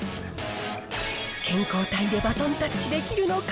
健康体でバトンタッチできるのか。